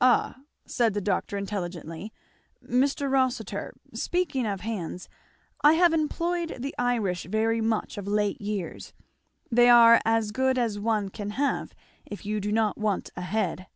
"Ah!" said the doctor intelligently. "Mr. Rossitur, speaking of hands, I have employed the Irish very much of late years they are as good as one can have, if you do not want a head."